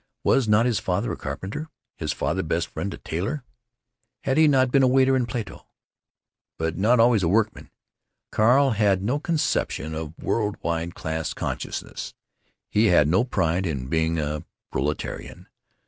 Was not his father a carpenter? his father's best friend a tailor? Had he not been a waiter at Plato? But not always a workman. Carl had no conception of world wide class consciousness; he had no pride in being a proletarian.